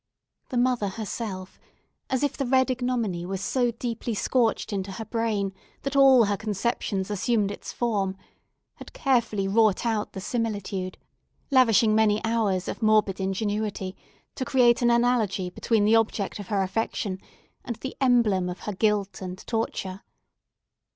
The mother herself—as if the red ignominy were so deeply scorched into her brain that all her conceptions assumed its form—had carefully wrought out the similitude, lavishing many hours of morbid ingenuity to create an analogy between the object of her affection and the emblem of her guilt and torture.